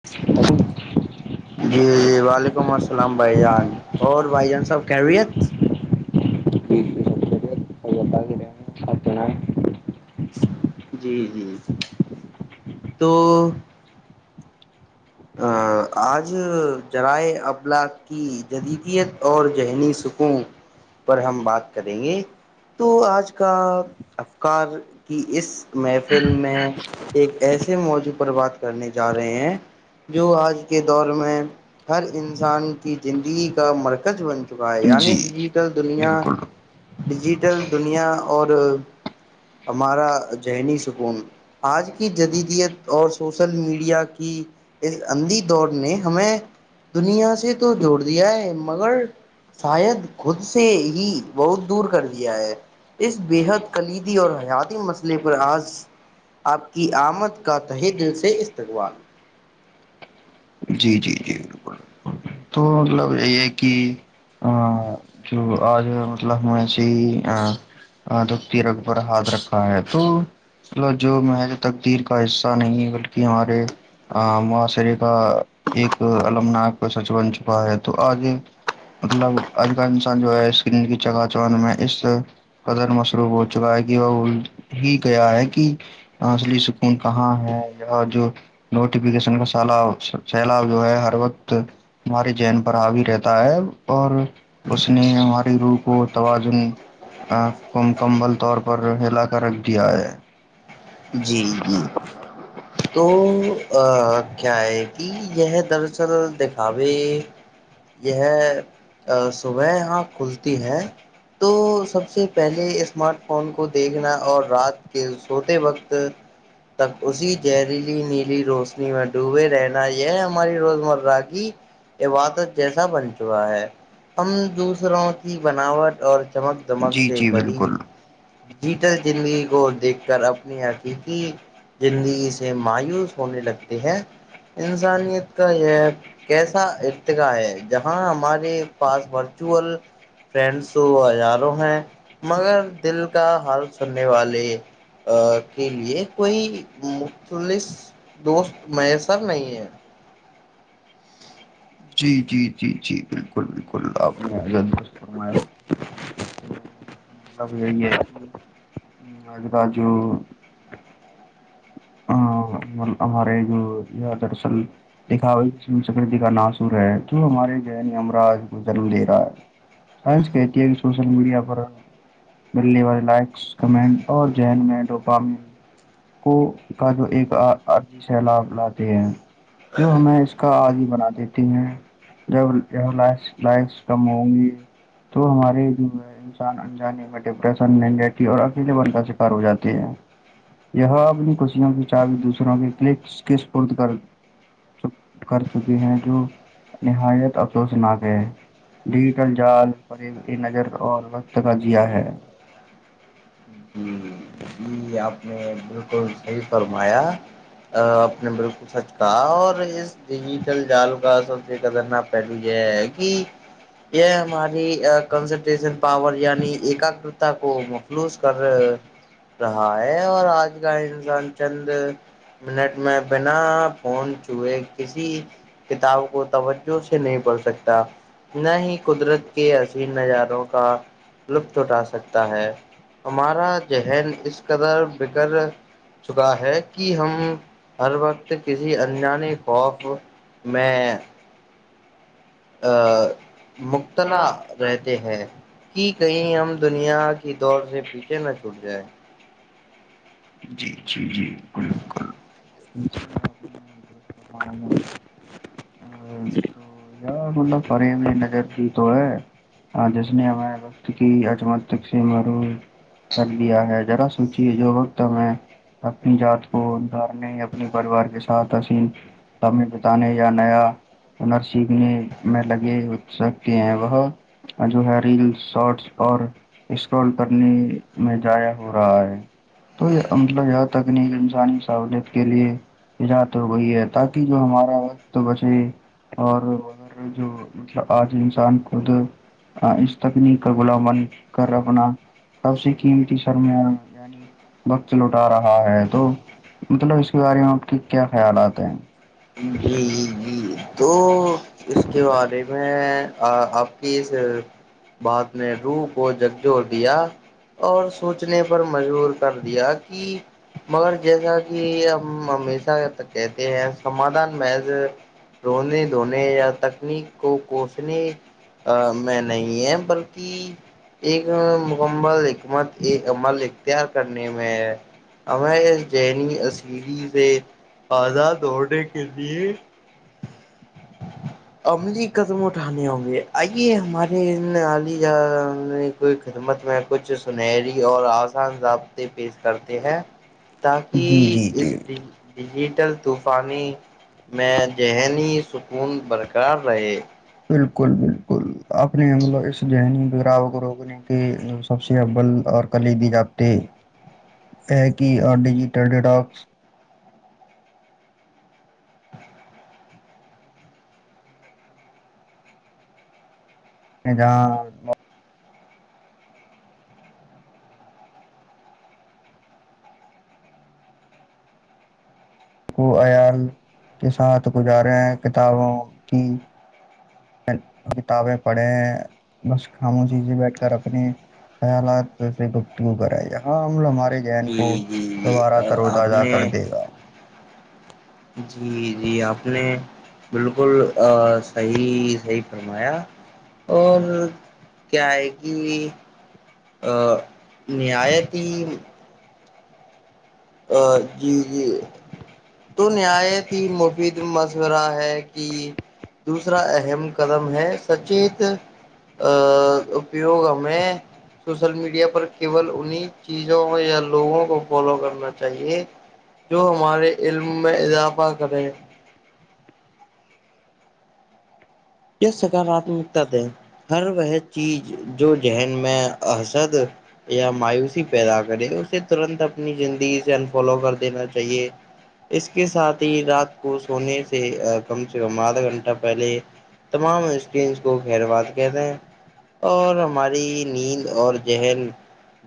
[inaudible] جی جی وعلیکم السلام بھائی جان اور بھائی جان سب خیریت باقی دے اپنا جی جی تو آ آج جذرائع ابلاغ کی جدیدیت اور ذہنی سکون پر ہم بات کریں گے تو آج کا افکار کی اس محفل میں ایک ایسے موضوع پر بات کرنے جا رہے ہیں جو آج کے دور میں ہر انسان کی زندگی کا مرکز بن چکا ہے یعنی ڈیجیٹل دنیا بالکل ڈیجیٹل دنیا اور ہمارا ذہنی سکون آج کی جدیدیت اور سوشل میڈیا کی اس اندھی دور نے ہمیں دنیا سے تو جوڑ دیا ہے مگر شاید خود سے ہی بہت دور کر دیا ہے اس بےحد کلیدی اور حیاتی مسئلے پر آج آپ کی آمد کا تہے دل سے استقبال جی جی جی بالکل بالکل تو مطلب یہ ہے کہ ا جو آج مطلب ہم ایسے ہی ہاں دکھتی رگ پر ہاتھ رکھا ہے تو لو جو مہر تقدیر کا حصہ نہیں بلکہ ہمارے معاشرے کا ایک المناک سچ بن چکا ہے تو آج مطلب آج کل انسان جو ہے اسکن کی چگہ چان میں اس قدر مصروف ہو چکا ہے کہ وہ اصلی سکون کہاں ہے یا جو نوٹیفکیشن کا سالا سیلاب جو ہے ہر وقت ہماراری جین پر ہوی رہتا ہے اور اس نے ہماری روح کو توازن آکھ کو مکمل طور پر ہلا کر رکھ دیا ہے جی جی تو کیا ہے کہ یہ دراصل دکھاوے یہ صبح یہاں کھلتی ہے تو سب سے پہلے اسمارٹ فون کو دیکھنا اور رات کے سوتے وقت تک اسی زہریلی نیلی روشنی کنی میں ڈوبے رہنا یہ ہماری روزمرہ کی عبادت جیسا بن چکا ہے ہم دوسروں کی بناوٹ اور چمک دمک جی سے جی بڑی بالکل ڈجیٹل زندگی کو دیکھ کر اپنی عقیقی زندگی مایوس ہونے لگتے ہیں انسانیت کا یہ کیسا ایک ہے جہاں ہمارے پاس ورچوئل فرینڈ سو ہزاروں ہیں مگر دل کا حال سننے والے کے لیے کوئی مختلس دوست میسر نہیں ہے [inaudible] جی جی جی جی بالکل بالکل آپست فم مطلب یہی ہے اج کل جو ا ہمارے جو درصل دکھاوسکرتی کا نا سور ہے تو ہمارے جین مراج کو جنم دے رہا ہے سائنس کہتی ہے بھی سوشل میڈیا پر مللی والے لائکس کمنٹ اور جین میں ڈوپام کو کا جو ایک عرضی سیلاب لاتے ہیں جو ہمیں اس کا عرضی بناتے جب لائس کم ہوں گی تو ہمارے جو ہے انسان انجانے میں ڈپریشن نہیں رہتی اور اکیلے بن کا شکار ہو جاتی ہے یہ اپنی خوشیوں کی چاابی دوسروں کے کل کےپد کر کر چکی ہیں جو نہایت افسوس نہ کرئے ڈجیٹل جال پر نظر اور وقت کا جیا ہے جی جی آپ نے بالکل صحیح فرمایا اپنے بالکل سچ کہا اور اس ڈجیٹل جال کاسب سے قدرنا پہلی یہ ہے کہ یہ ہماری کنسنٹریشن پاور یعنی ایکگ کو مخلوص کر رہا ہے اور آج کا انسان چند منٹ میں بنا فون چوہے کسی کتاب کو توجہ سے نہیں پڑھ سکتا نہ ہی قدرت کے عین نظاروں کا لطف اٹھا سکتا ہے ہمارا ذہن اس قدر بکر چکا ہے کہ ہم ہر وقت کی کسی انجان خوف میں مبتلا رہتی ہے کہ کہیں ہم دنیا کی دور سے پیچھے نہ چھوٹ جائیں جی جی جی بالکل تو یار مب پرے میں نظر دی تو ہے ہاں جس نے ہمارے وقت کی اچمت تک سے مارو کر لیا ہے ذرا سوچیے جو تمہیں اپنی جات کو دارنے اپنے پریوار کے ساتھ عظین تبمی بتانے یا نیا ہنر سیکھنے میں لگے سب کے ہیں وہ جو ہے ریلس شارٹس اور اسکرول کرنے میں ضائع ہو رہا ہے تو یہ عمومن یہ تکنیک انسانی سہولت کے لیے ایجاد ہو گئی ہے تاکہ جو ہمارا وقت بچے اور اگر جو آج انسان خود اس تکنیک غلا من کر اپنا سب سے قیمتی سرمایہ یعنی وقت لوٹا رہا ہے تو مطلب اس کے بارے میں آپ کے کیا خیالات ہیں جی جی تو اس کے بارے میں آپ کی اس بات نے روح کو جھنجھور دیا اور سوچنے پر مجبور کر دیا کہ مگر جیسا کہ ہم ہمیشہ جب تک کہتے ہیں سمادھان محض رونے دھونے یا تکنیک کو کوسنے میں نہیں ہے بلکہ ایک مکمل حکمت ایک عمل اختیار کرنے میں ہے ہم نے یہ زینبی اسی ڈی سے ازاد ہونے کے لیے عملی قدم اٹھانے ہوں گے آئیے ہمارے ان عالیہ میں کوئی خدمت میں کچھ سنہری اور آسان ضابطے پیش کرتے ہیں [inaudible] تاکہ جی جی اس جی دن ڈیجیٹل طوفانی میں ذہنی سکون برقرار رہے بالکل بالکل اپ نے امولا اس ذہنی براو کو روک لی کہ سب سے اول اور کلیبی رابطے ہے کہ اور ڈیجیٹل ڈڈوپس میں جہ کو عیال کے ساتھ گزارے کتابوں کی کتابیں پڑھے بس خاموشی سے بیٹھ کر اپنی خیالات سے گفتگو کرائے جا ہاں ہم ہمارے ذہن کو جی جی جی دوبارہ تروتا آپ جا نے کر دے گا جی جی آپ نے بالکل ا صحیح صحیح فرمایا اور کیا ہے کہ ا نہایتی ا جی جی تو نہایتیں مفید مشورہ ہے کہ دوسرا اہم قدم ہے سچیت ا اپیوگ ہمیں سوشل میڈیا پر کیول انہیں چیزوں یا لوگوں کو فالو کرنا چاہیے جو ہمارے علم میں اضافہ کرے یہ سکاراتمکتا ہے ہر وہ چیز جو ذہن میں ا حسد یا مایوسی پیدا کرے اسے ترنت اپنی زندگی سے انفالو کر دینا چاہیے اس کے ساتھ ہی رات کو سونے سے کم سے کم آدھا گھنٹہ پہلے تمام اسکنس کو خیر بات کہہ دیں اور ہماری نیند اور ذہن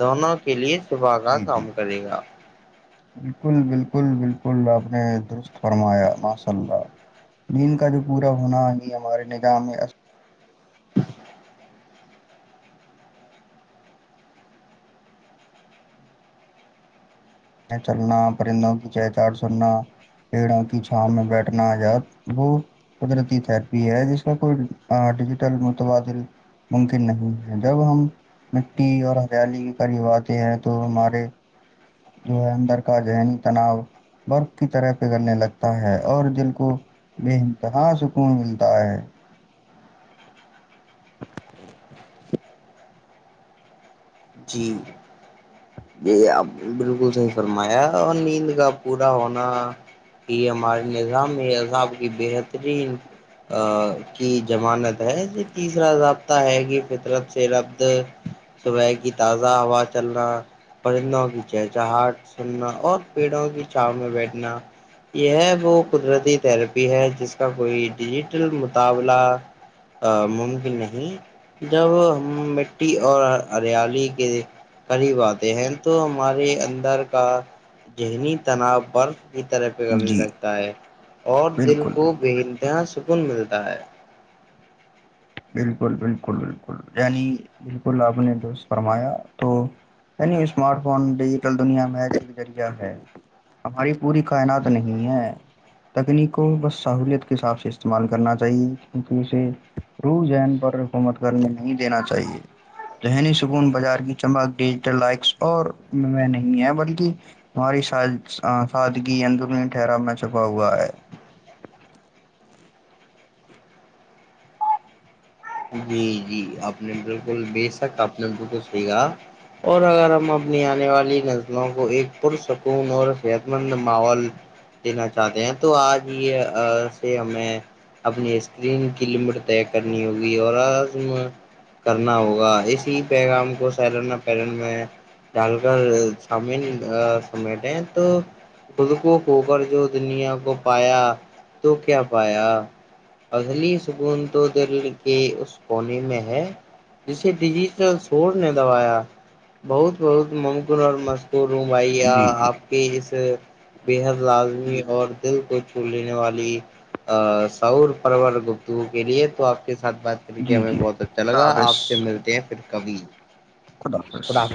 دونوں کے لیے صبح کا جی جی کام کرے گا بالکل بالکل بالکل آپ نے درست فرمایا ماشاء اللہ دین کا جو پورا ہونا ہی ہمارے نظام میں چلنا پرندوں کی چہ چاڑ سننا پڑ کی چھاں میں بیٹھنا وہ قدرتی تھرپی ہے جس میں کوئی ڈیجیٹل متبادل ممکن نہیں ہے جب ہم مٹی اور ہریالی کے قریب آتے ہیں تو ہمارے جو ہے اندر کا ذہنی تناؤ برف کی طرح پگلنے لگتا ہے اور دل کو انتہا سکون ملتا ہے [inaudible] جی یہ آپ بالکل صحی فرمایا اور نیند کا پورا ہونا یہ ہمارے نظام میں عذاب کی بہترین ا کی ضمانت ہے یہ تیسرا ضابطہ ہے کہ فطرت سے ربد صبح کی تازہ ہوا چلنا پرندوں کی چہچہ ہاٹ سننا اور پیڑوں کی چاؤ میں بیٹھنا یہ وہ قدرتی تھراپی ہے جس کا کوئی ڈیجیٹل مقابلہ ممکن نہیں جب ہم مٹی اور ہریالی قریب آتے ہیں تو ہمارے اندر کا ذہنی تناؤ پر طرح پگھلنے جی لگتا ہے اور دل بالکل کو ب بالکل انتہا سکون ملتا ہے بالکل بالکل بالکل یعنی بالکل آپ نے درست فرمایا تو نہیں اسمارٹ فون ڈیجیٹل دنیا میں ہے ج کے ذریعہ ہے ہماری پوری کائنات نہیں ہے تکنیک کو بس سہولیت کے حساب سے استعمال کرنا چاہیے کیونکہ اسے روح جین پر حکومت کرنے نہیں دینا چاہیے ذہنی سکون بازار کی چمک ڈیجیٹل لائکس اور میں نہیں ہے بلکہ ہماری سادگی اندرونی ٹھہرا میں چھپا ہوا ہے جی جی اپنے بالکل شق اپنے بالکل صحی کہا اور اگر ہم اپنی آنے والی نسلوں کو ایک پرسکون اور صحت مند ماحول دینا چاہتے ہیں تو آج یہ سے ہمیں اپنی اسکرین کی لمٹ طے کرنی ہوگی اور آج کرنا ہوگا اسی پیغام کو سیلان پلن میں ڈال کر چامین سمیٹیں تو خود کو کھو کر جو دنیا کو پایا تو کیا پایا اصل سکون ٹو دل کے اس کونے میں ہے جسے ڈیجیٹل سور نے دبایا بہت بہت ممکن اور مذکور ہوں بھائییا جی آپ جی کی اس بےحد لازمی اور دل کو چھو لینے والی سور پرور گپتگو کے لیے تو آپ کے ساتھ بات کر کے جی ہمیں جی بہت اچھا خدا لگا حافظ آپ سے ملتے ہیں پھر کبھی خدا حافظ